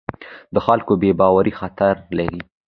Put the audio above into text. د خلکو بې باوري خطر لري